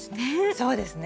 そうですね。